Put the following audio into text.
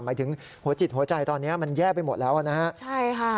หมายถึงหัวจิตหัวใจตอนนี้มันแย่ไปหมดแล้วนะฮะ